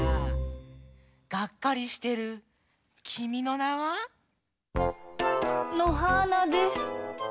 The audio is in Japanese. がっかりしてる「君の名は。」？のはーなです。